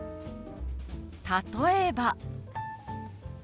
例えば。